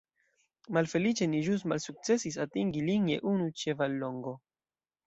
Malfeliĉe ni ĵus malsukcesis atingi lin je unu ĉevallongo.